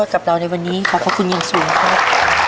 กับเราในวันนี้ขอบพระคุณอย่างสูงครับ